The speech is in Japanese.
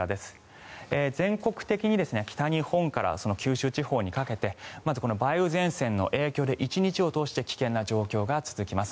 全国的に北日本から九州地方にかけてまず梅雨前線の影響で１日を通して危険な状況が続きます。